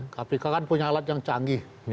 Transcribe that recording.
kpk kan punya alat yang canggih